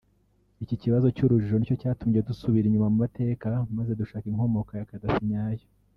Iki kibazo cy’urujijo nicyo cyatumye dusubira inyuma mu mateka maze dushaka inkomoko ya Kadafi nyayo